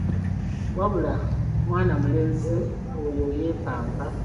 Wabula mwana mulenzi oyo yeepanka.